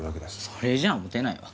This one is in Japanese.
それじゃあモテないわ。